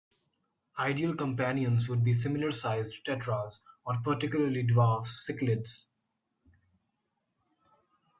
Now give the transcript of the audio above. Ideal companions would be similar sized tetras or particularly, dwarf cichlids.